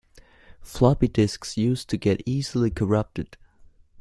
Floppy disks used to get easily corrupted.